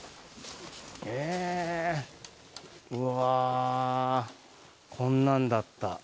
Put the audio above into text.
うわー、こんなんだった。